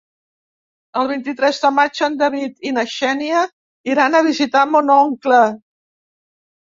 El vint-i-tres de maig en David i na Xènia iran a visitar mon oncle.